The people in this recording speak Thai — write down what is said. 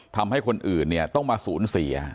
ทำให้คนอื่นเนี่ยต้องมาสูญเสีย